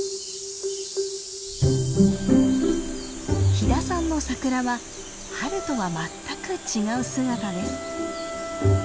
飛田さんのサクラは春とは全く違う姿です。